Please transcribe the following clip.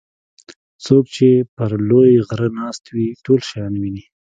څوک چې پر لوی غره ناست وي ټول شیان ویني.